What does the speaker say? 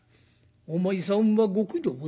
お前さんはご苦労だがね